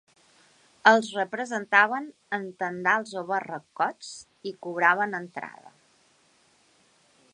Els representaven en tendals o barracots i cobraven entrada.